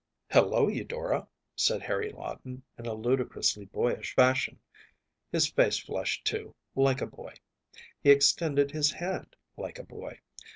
“Hullo, Eudora,‚ÄĚ said Harry Lawton, in a ludicrously boyish fashion. His face flushed, too, like a boy. He extended his hand like a boy.